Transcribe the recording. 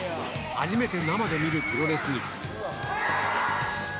初めて生で見るプロレスに。